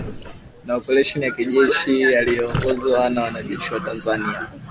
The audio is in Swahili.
na oparesheni ya kijeshi yaliyoongozwa na wanajeshi wa Tanzania